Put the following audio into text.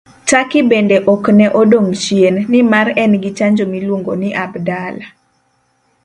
Turkey bende ok ne odong' chien, nimar en gi chanjo miluongo ni Abdala.